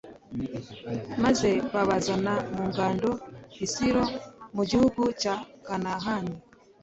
maze babazana mu ngando i silo mu gihugu cya kanahani